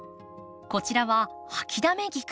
こちらはハキダメギク。